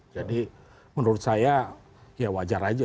jadi menurut saya ya wajar aja